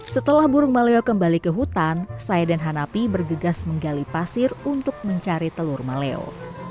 setelah burung maleo kembali ke hutan saya dan hanapi bergegas menggali pasir untuk mencari telur maleo